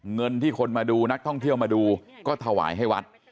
เงินที่คนมาดูนักท่องเที่ยวมาดูก็ถวายให้วัด